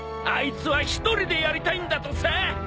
あいつは一人でやりたいんだとさ。